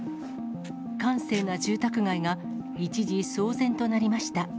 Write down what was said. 閑静な住宅街が、一時、騒然となりました。